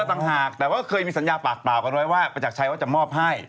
ยากปากเปล่ากันเลยว่าประจักรชัยว่าจะมอบให้